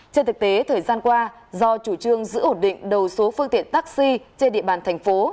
trên thực tế thời gian qua do chủ trương giữ ổn định đầu số phương tiện taxi trên địa bàn thành phố